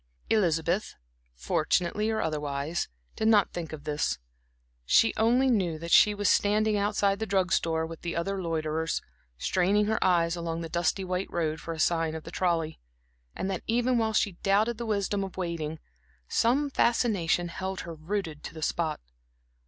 Elizabeth, fortunately or otherwise, did not think of this. She only knew that she was standing outside the drug store with the other loiterers, straining her eyes along the dusty white road for a sight of the trolley; and that, even while she doubted the wisdom of waiting, some fascination held her rooted to the spot.